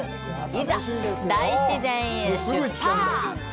いざ、大自然へ出発！